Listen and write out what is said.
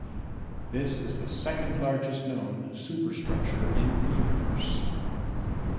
This is the second largest known super-structure in the universe.